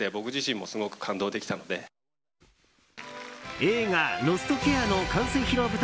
映画「ロストケア」の完成披露舞台